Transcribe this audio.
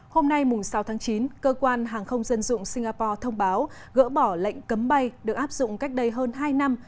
hôm nay sáu tháng chín cơ quan hàng không dân dụng singapore thông báo gỡ bỏ lệnh cấm bay được áp dụng cách đây hơn hai năm